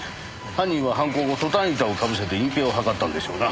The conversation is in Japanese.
犯人は犯行後トタン板を被せて隠蔽を図ったんでしょうな。